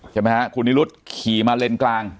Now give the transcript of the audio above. ใช่ไหมฮะคุณนิรุธขี่มาเลนกลาง